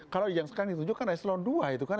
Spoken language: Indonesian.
kalau yang sekarang ditunjukkan eselon dua itu kan